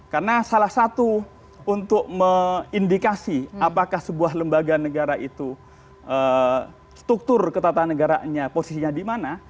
karena salah satu untuk meindikasi apakah sebuah lembaga negara itu struktur ketatanegaranya posisinya di mana